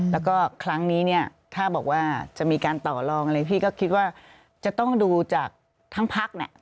แล้วก็ครั้งนี้เนี่ยถ้าบอกว่าจะมีการต่อลองอะไรพี่ก็คิดว่าจะต้องดูจากทั้งพักเนี่ย